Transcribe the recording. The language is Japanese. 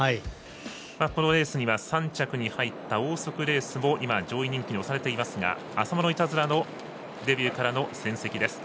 このレースには３着に入ったオーソクレースも上位人気に押されていますがアサマノイタズラのデビューからの戦績です。